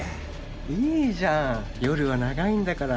いいじゃん夜は長いんだから。